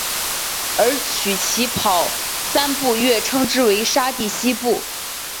而取其跑三步跃称之为沙蒂希步。